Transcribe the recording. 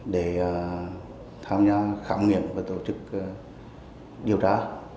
để tham gia khám nghiệm và tổ chức điều tra